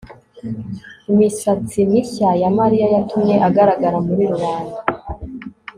imisatsi mishya ya mariya yatumye agaragara muri rubanda